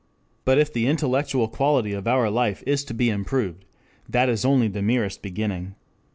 But if the intellectual quality of our life is to be improved that is only the merest beginning.